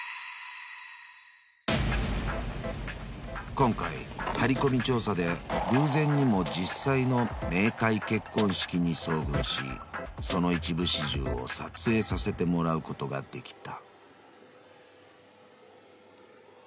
［今回張り込み調査で偶然にも実際の冥界結婚式に遭遇しその一部始終を撮影させてもらうことができた］